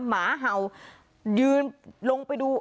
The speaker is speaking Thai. หมาเห่ายืนลงไปดู